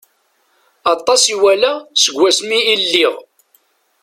Aṭas i walaɣ seg wasmi i lliɣ...